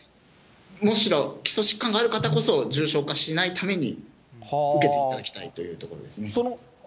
むしろ基礎疾患がある方こそ重症化しないために受けていただきたいというところですね。